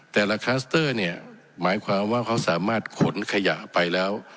แต่ละเนี่ยหมายความว่าเขาสามารถขนขยะไปแล้ว